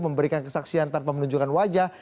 memberikan kesaksian tanpa menunjukkan wajah